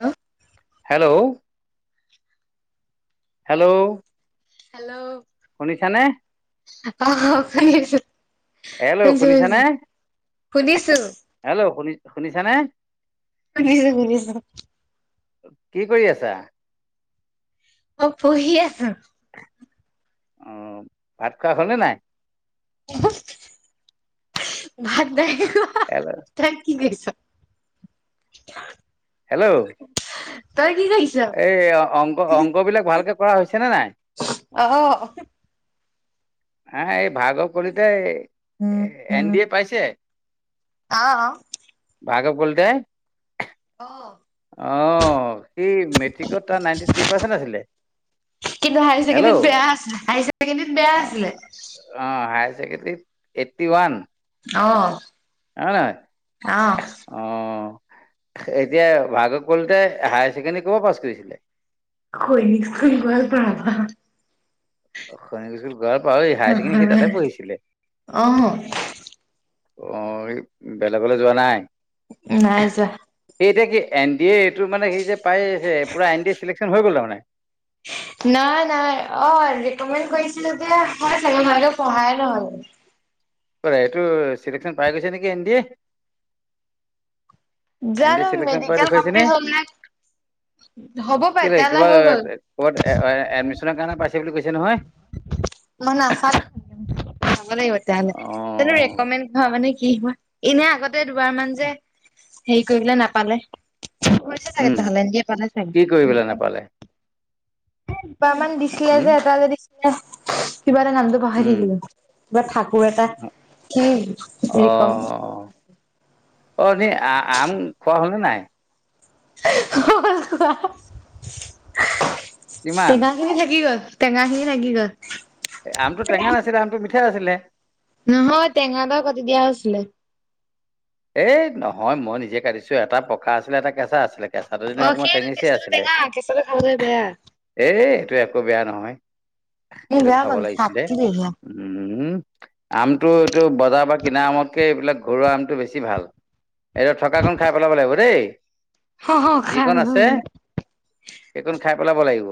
হা? Hello, hello. Hello, শুনিছানে অ শুনি আচো। শুনিছো- হেল্ল' শুনিছো, শুনিছানে শুনিছো। হেল্ল' শুনি শুনিছানে? উম শুনিছোঁ- শুনিছোঁ। কি কৰি আছা? অ পঢ়ি আছো। অ ভাত খোৱা হলনে নাই? উমহুম, ভাত নাই খোৱা। [unintelligible] তাত কি কৰিছ? হেল্ল'। তই কি কৰিছ? এই অংক -অংক বিলাক ভালকে কৰা হৈছে নে নাই? অ অ। হে এই ভাৰ্গব কলিতাই এন ডি এ পাইছে? অ। ভাৰ্গৱ কলিতাই? অ। অ সি মেট্ৰিকত তাৰ নাইনটি থ্ৰী পাৰ্চেন্ট আছিলে। কিন্তু হায় হেল্ল' ছেকেণ্ডৰীত বেয়া অ আছিল হাই ছেকেণ্ডৰীত বেয়া আছিলে। অ হায়াৰ ছেকেণ্ডৰীত এইট্টি ওৱান। অ। হয়নে নহয়? অ অ এতিয়া ভাৰ্গৱ কলিতাই হায়াৰ ছেকেণ্ডৰী ক'ৰপা পাছ কৰিছিলে? সৈনিক স্কুল গোৱালপাৰাৰ পৰা। সৈনিক স্কুল গোৱালপাৰা অই সি হায় ছেকেণ্ডেৰী তাতে পঢ়িছিলে? অ। অ এই বেলেগলৈ যোৱা নাই? নাই যোৱা। এই এতিয়া কি এন ডি এ এইটো মানে সেই যে পাইছে পূৰা এন ডি এ চিলেকশ্যন হৈ গ'ল তাৰমানে নাই -নাই অ ৰিকমেণ্ড কৰিছিলে যে হয় চাগে পঢ়াই নহল এইটো চিলেকশচন পাই গৈছে নেকি N D A N D A জানো? চিলেকশ্যন পাই মেডিকেল দেখুৱাইছে কমপ্লিট হল নে হ'ব পাই তেতিয়াহলে হৈ গ'ল। ক'ত এ এডমিশনৰ কাৰণে পাইছে বুলি কৈছে নহয়। মই নাচালোঁ চাব লাগিব তেতিয়াহলে অ কিন্তু ৰেকমেণ্ হয় মানে কি হয় এনে আগতে দুবাৰ মান যে হেৰি কৰি পেলে নাপালে চাগে উম তেতিয়া হ'লে এন্ দি এ পালে কি কৰি পেলাই চাগে নাপালে দুবাৰ মান দিছিলে উম যে, এটা যে দিছিলে, কিবা এটা নামটো উম পাহৰি থাকিলো বা ঠাকুৰ এটা কি অ অ ৰিকম অ নি আ আম খোৱা হল নে নাই? হ হ কিমান থোৱা কিবা এইখিনি থাকি গল টেঙাখিনি থাকি গল এ আমটো টেঙা নাছিলে আমটো মিঠা আছিলে নহয় টেঙা দৰ কাটি দিয়া হৈছিলে এ নহয় মই নিজে কাটিছো এটা পকা আছিলে এটা কেঁচা আছিলে। কেঁচাটো অ এনেই অকণমান সেইটো টেঙিচিয়া কেঁচুটো আছিলে টেঙা কেঁচুটো খাবলৈ বেয়া এই এইটো একো বেয়া নহয় মোক এইটো বেয়া খাব পালো লাগিছিলে থাকিলে উম আমটো এইটো বজাৰ বা কিনা আমতকে এইবিলাক ঘৰুৱা আমটো বেছি বেছি ভাল এই থকা কণ খাই পেলাব লাগিব দেই সেয়া যিকণ আছে সেইকণ খাই পেলাব লাগিব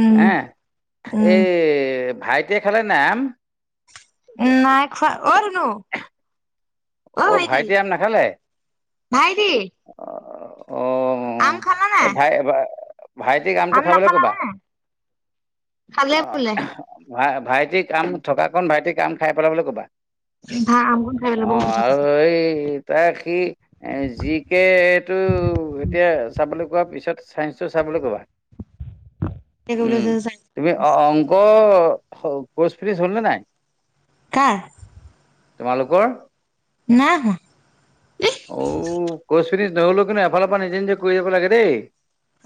উম হে উম এই ভাইটিয়ে খালে নাই আম নাই খোৱা অ ধুনু অ ভাইটি ভাইটিয়ে আম নাখালে? ভাইটি অ অ আম খালা নাই এই ভাই এবাৰ ভাইটিক আমটো আম খাবলৈ নাখালা কবা হয় খালে অ বোলে ভাই ভাইটিক আম থকা কন ভাইটিক আম খাই পেলাবলৈ কবা মিঠা আম না অ আৰু এই তাক সি এ জি কে এইটো এতিয়া চাহপানী খোৱাৰ পিছত চায়েঞ্চটো চাবলৈ ক'বা উ তুমি অ অং ক কোৰ্চ ফিনিচ হ'ল নে নাই কাৰ তোমালোকৰ নাইহোৱা অঔ কচ ফিনিজ নহলেও কিন্তু এফালৰ পৰা নিজে নিজে কৰি যাব লাগে দেই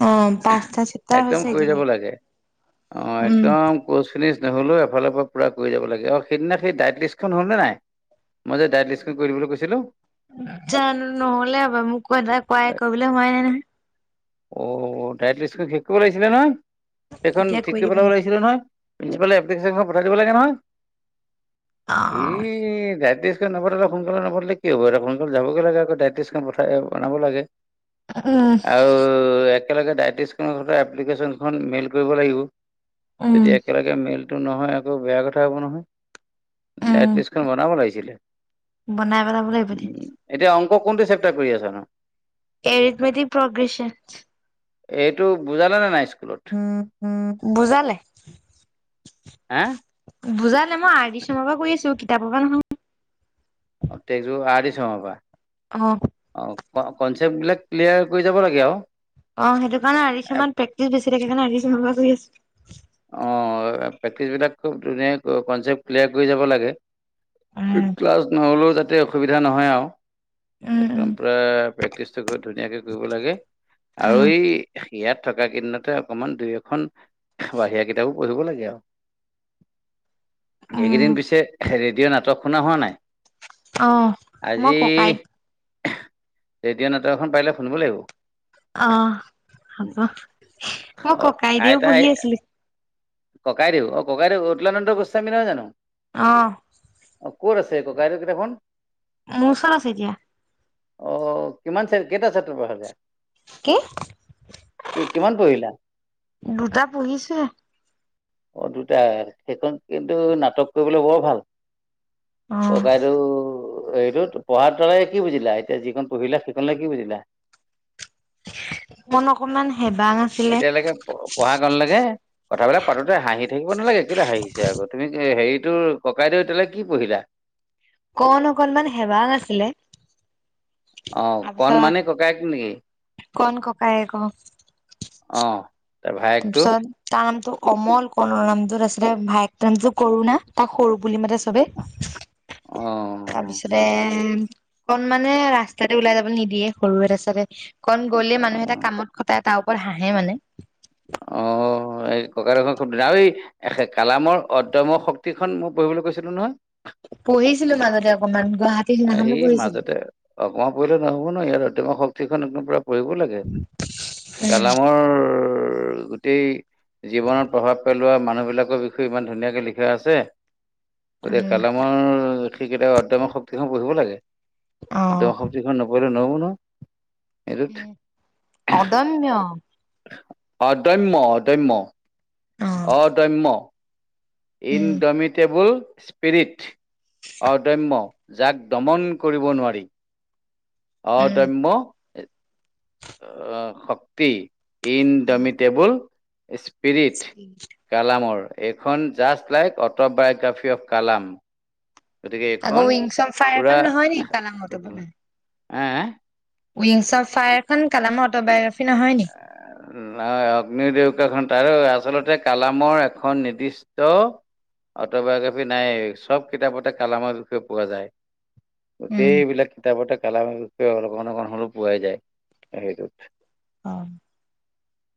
অ আহ পাঁচটা চেপ্তাৰ হৈছে একদম কৰি একেবাৰে যাব লাগে অ উম একদম ক'ৰ্চ ফিনজ নহ'লেও এফালৰ পৰা পুৰা কৰি যাব লাগে সেইদিনা সেই ডাইট লিষ্টখন হ'ল নে নাই মই যে ডাইট লিষ্টখন কৰি দিবলৈ কৈছিলো জানো নহ'লে হপাই মোক ক এটাই কোৱাই কৰিবলৈ কোৱাই নাই নহয় অ ডাইট লিষ্টখন শেষ কৰিব লাগিছিলে নহয় সেইখন এতিয়া ঠিক কৰি দিব পেলাব লাগিব লাগিছিলে নহয় প্ৰিঞ্চিপাললে এপ্লিকেশ্বন খন পঠাই দিব লাগে নহয় আক এই এই ডাইট লিষ্টখন নপথালে সোনকালে নপথালে কি হব দেখোন সোনকালে যাবগে লাগে আক ডাইট লিষ্টখন পঠাই বনাব লাগে উম আও ও একেলগে ডাইট লিষ্টখন লগত এপ্লিকেশ্বন খন মেইল কৰিব লাগিব উম তেতিয়া একেলগে এতিয়া মেইলটো নহয় আকৌ বেয়া কথা হ'ব নহয় উম ডাইটলিষ্টখন বনাব লাগিছিলে বনাই পেলাব লাগিব উ এতিয়া এতিয়া অংক কোনটো চেপ্টাৰ কৰি আছা নো এৰিথ মেটিক প্ৰগ্ৰেছনছ এইটো বুজালেনে নাই স্কুলত বুজালে হা বুজালে মই আৰ ডি শৰ্মাৰ পৰা কৰি আছো কিতাপৰ পৰা নহয় অ তেজো আৰ ডি শৰ্মা পৰা অ অ ক কনচেপ্ট বিলাক ক্লিয়াৰ কৰি যাব লাগে আও অ সেইটো কাৰণে আৰু আৰ ডি শৰ্মাত প্ৰেকটিচ বেছি থাকে সেইকাৰণে আৰ ডি শৰ্মাৰ পৰা কৰি আছো অ প্ৰেক্টিচ বিলাক খুব ধুনীয়াকে কনচেপ্ট ক্লিয়াৰ কৰি যাব লাগে উম ক্লাছ নহলেও যাতে অসুবিধা নহয় আও উম একদম পুৰা প্ৰেক্টিচটো ধুনীয়াকে কৰিব লাগে আৰু উম এই ইয়াত থকা কেইদিনতে অকমান দুই এখন। বাহিৰা কিতাপো পঢ়িব লাগে আৰু উম এইকেইদিন পিছে ৰেডিঅ' নাটকখন হোৱা নাই অ মই আজি ককাইত ৰেডিঅ নেওটাখন পাৰিলে শুনিব লাগিব। অ হব অ ককাইদেও বহি আছিলে। ককাইদেউ অ ককাইদেউ উতলানন্দ গোস্বামী নহয় জানো। অ, অ ক'ত আছে ককাইদেউ কিতাপ খন। মোৰ ওচৰত আছে এতিয়া। অ কিমান কেইটা চেপ্তাৰ পঢ়িলা কি? কি কিমান পঢ়িলা। দুটা পঢ়ী ছোহে। অ দুটা সেইখন কিন্তু নাটক কৰিবলৈ বৰ ভাল। অ ককাইদেউ এইটোত। ত পঢ়াৰ তালে কি বুজিলা এতিয়া যিখিনি পঢ়িলা সেইখিনিলে কি বুজিলা, মন অকমান হেবাং আছিলে এতিয়ালৈকে পঢ়া কন লেকে। কথাবিলাক পাতোতে হাঁহি থাকিব নালাগে কেলে হাঁহিছা আক তুমি হেৰিটোৰ ককাইদেউ এতিয়ালৈকে কি পঢ়িলা। কণ অকনমান হেৱা আছিলে। অঁ তাৰপিছত কণমানে ককায়েক নেকি? কণ ককায়েক অ। অঁ, তাৰ পিছত। তাৰ নামটো কমল, কৰ্ণল নামটো আে ভায়েক ত নামটো কৰুণা, তাক সৰু বুলি মাতে চবে। অ তাৰ পিছতে কন মানে ৰাস্তাতে ওলাই যাব নিদিয়ে সৰু তাপিচতে। কন গ'লে মানুহ অ' তাক কামত খটাই তাৰ ওপৰত হাঁহে মানে। অ [unintelligible] অই কালামৰ অদ্যম শক্তিখন মই পঢ়িবলৈ কৈছিলো নহয়। পঢ়িছিলো মাজতে অকমান গুৱাহাটীৰ এই সিনাখনো পঢ়িছিলো। মাজতে অকমান পঢ়িলে নহ'ব ন ইয়াৰ অদ্যমা শক্তিখন এখন পোৰা, পঢ়িব লাগে উম কালামৰ গোটেই, জীৱনত প্ৰভাৱ পেলোৱা মানুহবিলাকৰ বিষয়ে ইমান ধুনীয়াকে লিখা আছে। গতিকে উম কালামৰ সেইটা অদ্যমৰ শক্তিখন পঢ়িব লাগে অহ অদ্যম শক্তি, এখন নপঢ়িলে নহ'ব নহয়। এইটোত উম অদন্য, অদম্য অদম্য অদম্য, উম ইনডমিটেবোল স্পিৰিট অদম্য যাক দমন কৰিব নোৱাৰি উম অদম্য, শক্তি ইনডমিটেবোল স্পিৰিট- কালামৰ এইখন just like autobiography of Kalam গতিকে আকৌ এইখন উইংছ অফ ফায়াৰ পুৰা খন নহয়নি কালামৰ এ [unintelligible] উইংছ অফ ফায়াৰখন কালামৰ অট'বায়োগ্ৰাফ নহয় নেকি। উ, ন অগ্নিৰ দেউকাখন তাৰ আচলতে কালামৰ এখন নিৰ্দিষ্ট। অটবায়োগ্ৰাফি নাই চব কিতাপতে কালামৰ বিষয়ে পোৱা যায়। উম গোটেইবিলাক কিতাপতে কালামৰ বিষয়ে অকণমান অকণমান হলেও পোৱাই যায় সেইটোত। অ,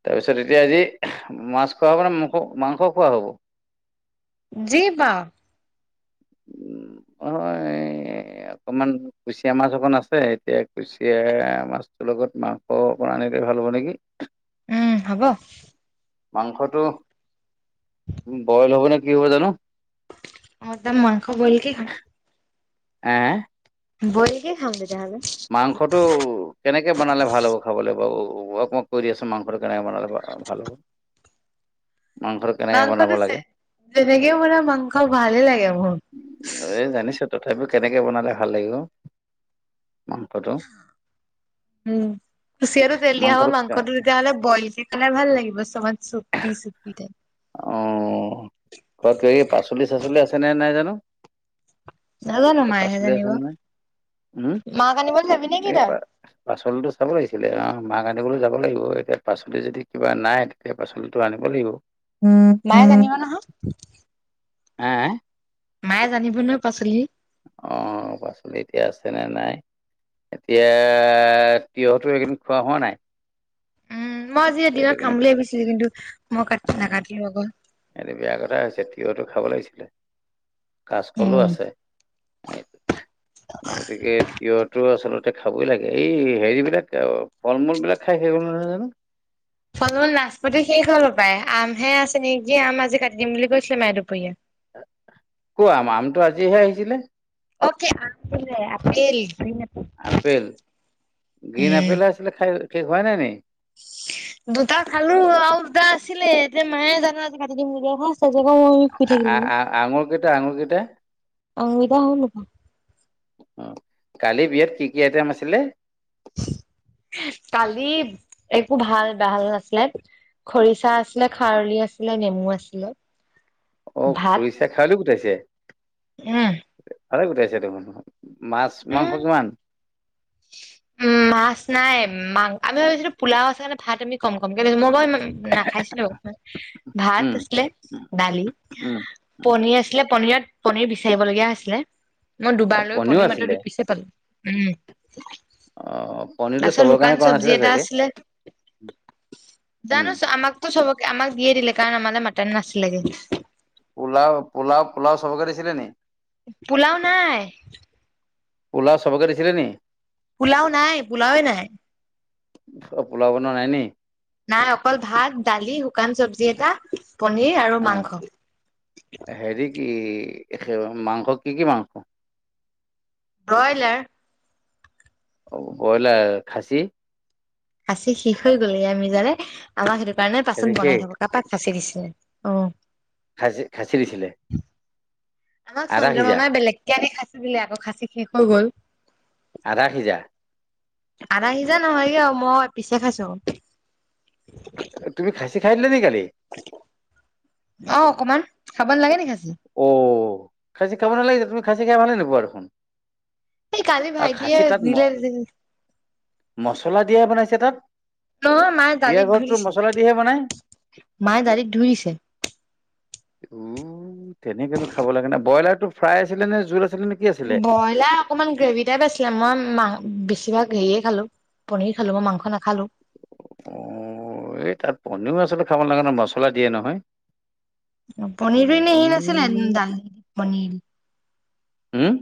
তাৰপিছত এতিয়া আজি, আহ মাছ খোৱা হব নে, মাস মাংস খোৱা হ'ব? জি পাও উম, অ, এ অকমান। কুচিয়া মাছ অকন আছে এতিয়া কুচিয়া মাছটোৰ লগত মাংস অকমান আনিলে ভাল হ'ব নেকি? [inaudible] উম হ'ব, মাংসটো বইল হ'ব নে কি হ'ব জানো। মই ত মাংস, বয়েল কে খাম। [inaudible] আহ, বইলকে খাম তেতিয়া হ'লে। মাংসটো কেনেকে বনালে ভাল হ'ব খাবলে বাৰু [unintelligible] কৈ দিয়াছোন মাংসটো কেনেকে বনালে ভাল হ'ব? মাংস মাংসটো যে যেনেকে বনাই মাংস ভালে লাগে মোক। এই জানিছোঁ তথাপিও কেনেকে বনালে ভাল লাগিব? মাংসটো উম, কুচিয়াটো তেল দিয়া হ'ব মাংসটো তেতিয়া হ'লে বয়লকে খালে ভাল লাগিব চমান চুপ। অ, তাকেয়ে পাচলি -চাচলি আছে নে নাই জানো? নাজানো তাত মায়েহে পাচলি আছে জানিব নে নাই উম, মাক আনিবলৈ যাবি নে কি এই তই পাচলি টো চাব লাগিছিলে অ, মাক আনিবলৈ যাব লাগিব এতিয়া পাচলি যদি কিবা নাই। সে পাচলিটো আনিব লাগিব মায়ে জানিব নহয়। [unintelligible] মায়ে জানিব নহয় পাচলি। অ, পাচলি এতিয়া আছে নে নাই? এতিয়া তিঁয়হতো এইকেইদিন খোৱা হোৱা নাই? উম, মই আজি এইটো দিনত খাম কিন্তু বুলি বেয়া ভাবিছিলোঁ কিন্তু মই কাট অ' নাকাটিলো আকৌ। এইটো বেয়া কথা হৈছে তিয়হটো খাব লাগিছিলে কাচকলো উম। আছে। [unintelligible] গতিকে তিঁয়হটো আচলতে খাবই লাগে এই হেৰিবিলাক ফল-মূল বিলাক খাই শেষ হ'ল নহয় জানো? ফল- মূল নাচপতি শেষ হল হপায় আমহে আছে নেকি আম আজি কাটি দিম বুলি কৈছিলে মাই দুপৰীয়া। কো আম আমটো আজিহে আহিছিলে। অকে আমটো লৈ আহ আপেল [unintelligible] আপেল গ্ৰীণ উম আপেলহে আছিলে খাই শেষ হোৱা নাই নি? দুটা খালোঁ আৰু দুটা আছিলে এতিয়া মায়ে জানে আজি কাটি দিম বুলি কৈ [unintelligible] আ‌‌ - আ -আ- আ আঙুৰ কেইটা -আঙুৰ কেইটা আঙুলিকেইটা হ'ল দেখোন। উম, কালি বিয়াত কি -কি আইটেম আছিলে? কালি একো ভাল ঢাল নাছিলে। খৰিচা আছিলে, খাৰলি আছিলে, নেমু আছিলে। অ, ভাত খুৰিচা খাৰলি গোটাইছে? উম। ভাল গোটাইছে দেখোন মাছ, মাংস উম। কিমান? উম, মাছ নাই মাং আমি ভাবিছিলোঁ পোলাও আছে কাৰণে ভাত আমি কম কম কে লৈছোঁ [unintelligible] নাখাইছিলো ভাত উম আছিলে উম দালি উম পনীৰ আছিলে পনীৰত‌ পনীৰ বিচাৰিব লগীয়া হৈছিলে মই দুবাৰ অ' লৈ পনীৰো পনীৰ মাত্ৰ আছিলে দুই পিচ হে পালোঁ উম। অ' পনীৰটো তাছত চবৰ শুকান কাৰণে কৰা চবজি নাছিলে এটা চাগে আছিলে। উম। জানো আমাকতো চবকে আমাক দিয়ে দিলে কাৰণ আমালে মটন নাছিলেগে। পোলাও- পোলাও -পোলাও চবকে দিছিলে নি? পোলাও নাই। পোলাও চবকে দিছিলে নি? পুলাও নাই পুলাওয়ে নাই। চব পোলাও বনোৱা নাই নি? নাই অকল ভাত দালি শুকান চব্জি এটা পনীৰ আৰু অ মাংস। হেৰি কি এখে মাংস কি- কি মাংস? ব্ৰইলাৰ অ কইলাৰ খাচী - আছে শেষ হৈ গল গে‌ আমি জানে আমাক সেইটো কাৰণে পাচন খাচী সেই বনাই থাকো তাপা খাচি দিছিলে অ। খাচি, খাচি দিছিলে। আমাক আধা সিজা চন্দ্ৰমামাই বেলেগকে আনি খাছি দিলে আকৌ খাচি শেষ হৈ গ'ল। আধা সিজা আদা সিজা নহয়গে আৰু মই এপিছে খাইছো। তুমি খাচী খাই দিলা নি কালি? অ অকমান খাব নালাগে নি খাচী অ খাচী খাব নালাগিছিল, তুমি খাচী খাই ভালে নোপোৱা দেখোন এই কালি আৰু ভাইটিয়ে খাচী তাত ম দিলে যেন মছলা দিয়াই বনাইছে তাত। নহয় মায়ে বিয়া দালিত ধুই ঘৰততো দিছে, মছলা দিহে বনাই মায়ে দালিত ধুই দিছে। অ তেনেকেনো খাব লাগে নে, ব্ৰ‌ইলাটো ফ্ৰাই আছিল নে জোল আছিলে নে। কি আছিলে? ব্ৰইলাৰ অকণমান গ্ৰেভি টাইপ আছিলে মই মা বেছিভাগ হেৰিয়ে খালো পনীৰ খালো মই মাংস নাখালো। অ এই তাত পনিৰও আচলতে খাব নেলাগে নহয় মচলা দিয়ে নহয়। উম, পনিৰো এনেহি নাছিলে দাল পনিৰ। হুম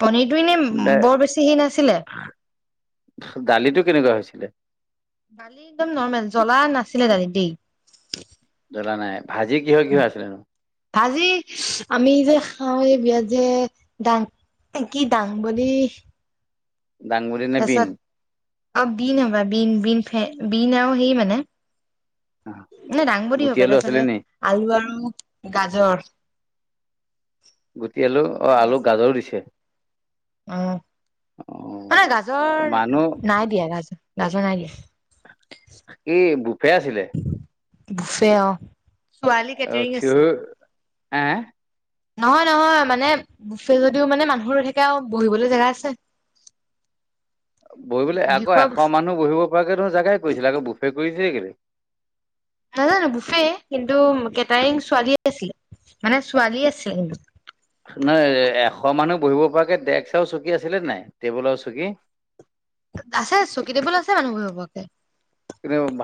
পনীৰতটো দা এনেই বৰ বেছি হে নাছিলে। দালিটো কেনেকুৱা হৈছিলে। দালি একদম নৰ্মেল জ্বলা নাছিলে দালিত দেই। জ্বলা নাই, ভাজি কিহৰ কিহৰ আছিলেনো। ভাজি আমি যে খাওঁ এই বিয়াত যে দাং- কি দাংবদী - দাংবদী নে বিন- অ বিন হ'বা বিন বিনে বিন আৰু সেই মানে- অ, ন দাংবদী গুটি হপায় আলু তাৰ আছিলে পাছতে নি? আলু আৰু গাজৰ। গুটি আলু অ শুকান আলু ভাজি গাজৰো দিছে। অ, অ' মানে গাজৰ মানুহ নাই দিয়া গাজৰ গাজৰ নাই দিয়া। কি বুফে আছিলে। বুফে অহ। অ থি এহ- নহয় -নহয় মানে বুফে যদিও মানে মানুহৰ ৰৈ থাকে আৰু বহিবলৈ জেগা আছে। [inaudible] বহিবলৈ বহি আকৌ খোৱা এশ বস্তু মানুহ বহিব পৰাকে ধৰ জাগাই কৰিছিলে আকৌ বুফে কৰিছে কেলে? নাজানো বুফে কিন্তু কেটাৰিং ছোৱালী আছিলে, মানে ছোৱালী আছিলে কিন্তু। নাহ এশ মানুহ বহিব পৰাকে ডেস্ক আৰু চকী আছিলে নাই টেবুল আৰু চকী। [inaudible] আছে চকী টেবুল আছে মানুহ বহিব পৰাকে। ৰ [unintelligible]